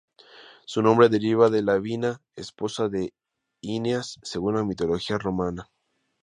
Su nombre deriva de Lavinia, esposa de Eneas según la mitología romana.